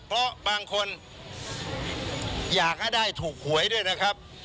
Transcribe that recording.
เพราะบางคนอยากให้ได้ถูกหวยด้วยนะครับ